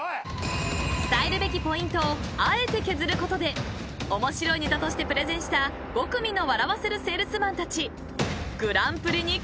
［伝えるべきポイントをあえて削ることで面白いネタとしてプレゼンした５組の笑わせるセールスマンたち］